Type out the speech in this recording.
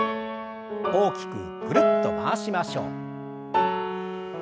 大きくぐるっと回しましょう。